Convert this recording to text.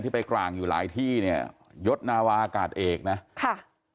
ไปกลางอยู่หลายที่เนี่ยยศนาวาอากาศเอกนะค่ะ